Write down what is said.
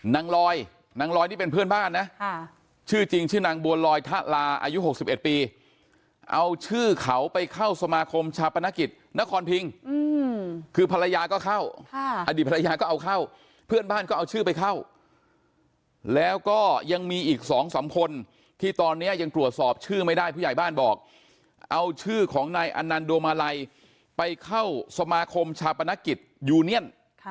นางลอยนางลอยนี่เป็นเพื่อนบ้านนะชื่อจริงชื่อนางบัวลอยทะลาอายุ๖๑ปีเอาชื่อเขาไปเข้าสมาคมชาปนกิจนครพิงคือภรรยาก็เข้าอดีตภรรยาก็เอาเข้าเพื่อนบ้านก็เอาชื่อไปเข้าแล้วก็ยังมีอีก๒๓คนที่ตอนนี้ยังตรวจสอบชื่อไม่ได้ผู้ใหญ่บ้านบอกเอาชื่อของนายอันนันดวงมาลัยไปเข้าสมาคมชาปนกิจยูเนียน